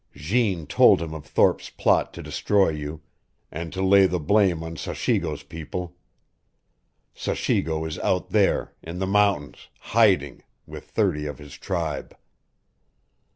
Jeanne told him of Thorpe's plot to destroy you, and to lay the blame on Sachigo's people. Sachigo is out there in the mountains hiding with thirty of his tribe.